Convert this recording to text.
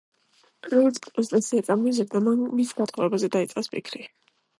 როგორც კი კონსტანსია წამოიზარდა მის გათხოვებაზე დაიწყეს ფიქრი.